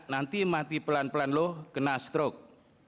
nanti mati pelan pelan lo kena stroke